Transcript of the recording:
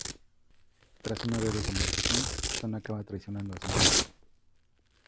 Tras una breve conversación Shaun acaba traicionando a Smell.